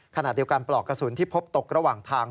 ขณะเดียวกันปลอกกระสุนที่พบตกระหว่างทาง